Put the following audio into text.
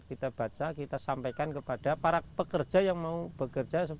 kita baca kita sampaikan kepada para pekerja yang mau bekerja